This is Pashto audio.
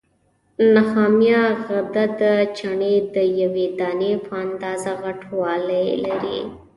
نخامیه غده د چڼې د یوې دانې په اندازه غټوالی لري.